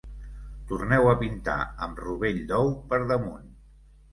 Torneu a pintar amb rovell d’ou, per damunt.